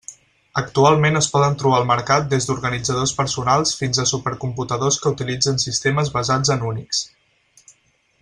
Actualment es poden trobar al mercat des d'organitzadors personals fins a supercomputadors que utilitzen sistemes basats en Unix.